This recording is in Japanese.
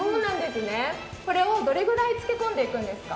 これをどれぐらい漬け込んでいくんですか？